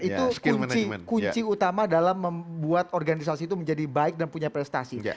itu kunci utama dalam membuat organisasi itu menjadi baik dan punya prestasi